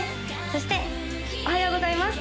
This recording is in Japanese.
そしておはようございます